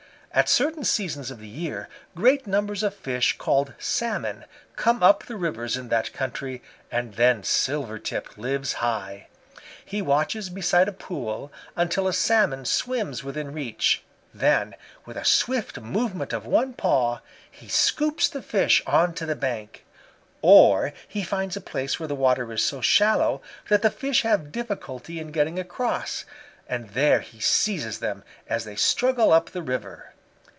At certain seasons of the year great numbers of a fish called Salmon come up the rivers in that country, and then Silvertip lives high. He watches beside a pool until a Salmon swims within reach; then, with a swift movement of one paw, he scoops the fish on to the bank. Or he finds a place where the water is so shallow that the fish have difficulty in getting across, and there he seizes them as they struggle up the river.